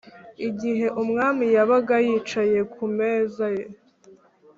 Igihe umwami yabaga yicaye ku meza ye,